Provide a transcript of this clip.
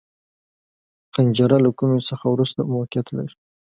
حنجره له کومي څخه وروسته موقعیت لري.